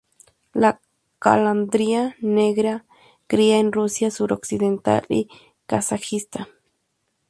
La calandria negra cría en Rusia suroccidental y Kazajistán.